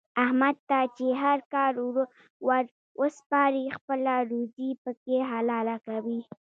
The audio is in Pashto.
احمد ته چې هر کار ور وسپارې خپله روزي پکې حلاله کوي.